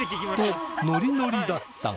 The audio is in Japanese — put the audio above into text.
とノリノリだったが